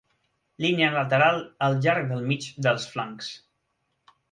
Línia lateral al llarg del mig dels flancs.